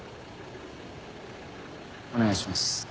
お願いします。